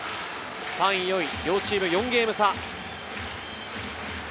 ３位４位、両チーム４ゲーム差。